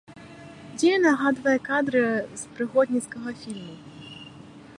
Дзея нагадвае кадры з прыгодніцкага фільму.